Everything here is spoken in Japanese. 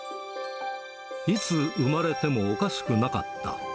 いつ産まれてもおかしくなかった。